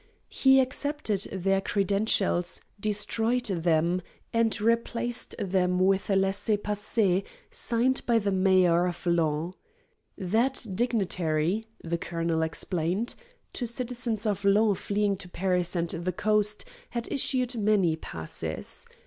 He accepted their credentials, destroyed them, and replaced them with a laissez passer signed by the mayor of Laon. That dignitary, the colonel explained, to citizens of Laon fleeing to Paris and the coast had issued many passes.